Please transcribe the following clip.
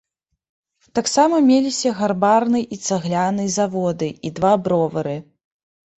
Таксама меліся гарбарны і цагляны заводы і два бровары.